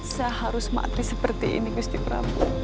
saya harus maafkan seperti ini gusti prabu